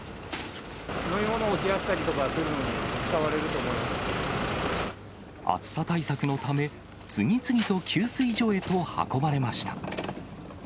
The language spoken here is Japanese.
飲み物を冷やしたりとかする暑さ対策のため、次々と給水所へと運ばれました。